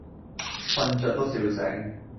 瞓著都笑醒